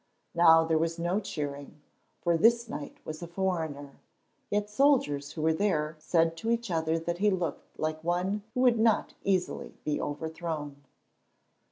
Now there was no cheering, for this knight was a foreigner, yet soldiers who were there said to each other that he looked like one who would not easily be overthrown.